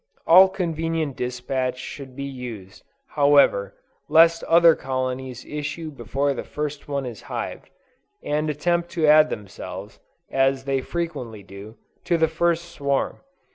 All convenient despatch should be used, however, lest other colonies issue before the first one is hived, and attempt to add themselves, as they frequently do, to the first swarm.